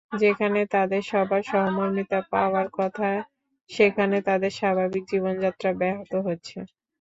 যেখানে তাদের সবার সহমর্মিতা পাওয়ার কথা, সেখানে তাদের স্বাভাবিক জীবনযাত্রা ব্যাহত হচ্ছে।